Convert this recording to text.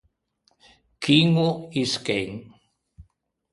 Chiño i scæn.